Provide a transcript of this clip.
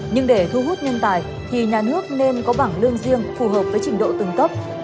nhưng để thu hút nhân tài thì nhà nước nên có bảng lương riêng phù hợp với trình độ từng cấp